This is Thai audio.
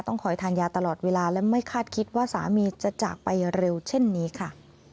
คอยทานยาตลอดเวลาและไม่คาดคิดว่าสามีจะจากไปเร็วเช่นนี้ค่ะ